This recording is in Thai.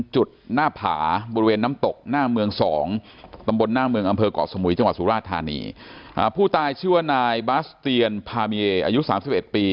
จังหวัดสุราชธานีผู้ตายชื่อว่านายบาสเตียนพามีเออายุ๓๑ปี